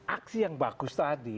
aksi yang bagus tadi